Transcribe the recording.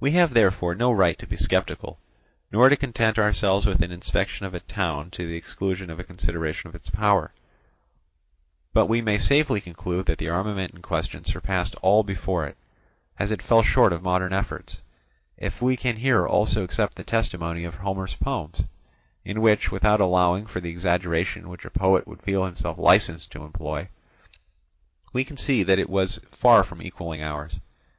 We have therefore no right to be sceptical, nor to content ourselves with an inspection of a town to the exclusion of a consideration of its power; but we may safely conclude that the armament in question surpassed all before it, as it fell short of modern efforts; if we can here also accept the testimony of Homer's poems, in which, without allowing for the exaggeration which a poet would feel himself licensed to employ, we can see that it was far from equalling ours.